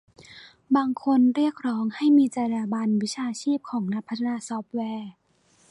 บางคนเรียกร้องให้มีจรรยาบรรณวิชาชีพของนักพัฒนาซอฟต์แวร์